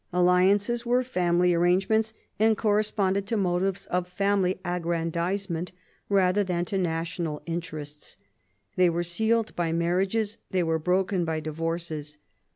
Alliances were family arrangements, and corresponded to motives of family aggrandisement rather than to national interests. They were sealed by marriages, they were broken by divorces.